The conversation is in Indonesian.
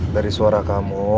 dari suara kamu